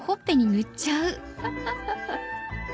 ハハハ。